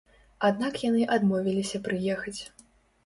Аднак яны адмовіліся прыехаць.